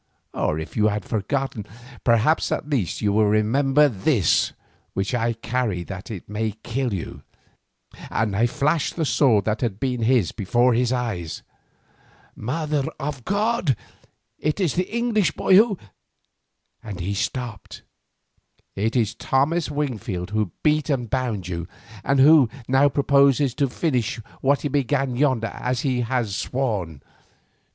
Or if you have forgotten, perhaps at least you will remember this, which I carry that it may kill you," and I flashed the sword that had been his before his eyes. "Mother of God! It is the English boy who—" and he stopped. "It is Thomas Wingfield who beat and bound you, and who now purposes to finish what he began yonder as he has sworn.